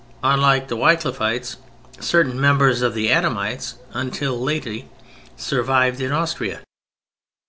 Unlike the Wycliffites certain members of the Adamites until lately survived in Austria.